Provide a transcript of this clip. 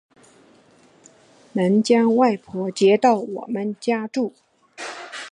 能将外婆接到我们家住